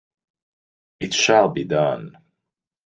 It shall be done!